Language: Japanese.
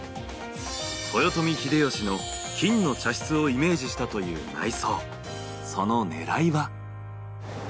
豊臣秀吉の金の茶室をイメージしたという内装。